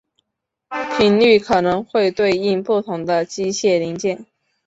频率可能会对应不同的机械零件。